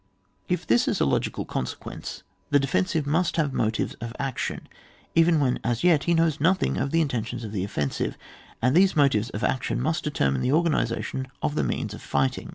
If this is a logical consequence, the defensive must have motives of action, even when as yet he knows nothing of the intentions of the offensive ; and these motives of action must determine the organisation of the means of fighting.